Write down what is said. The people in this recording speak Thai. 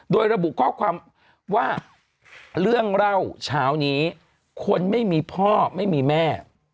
โดยระบุข้อความว่าเรื่องเล่าเช้านี้คนไม่มีพ่อไม่มีแม่